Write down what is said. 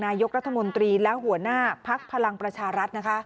นายกรัฐมนตรีและหัวหน้าภักดิ์พลังประชารัฐนะคะ